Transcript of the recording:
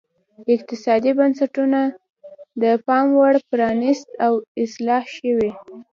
اقتصادي بنسټونه د پاموړ پرانیست او اصلاح شوي.